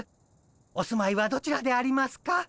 お住まいはどちらでありますか？